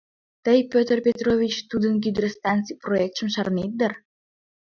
Тый, Пӧтыр Петрович, тудын гидростанций проектшым шарнет дыр...